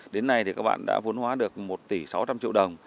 đến nay thì các bạn đã vốn hóa được một tỷ sáu trăm linh triệu đồng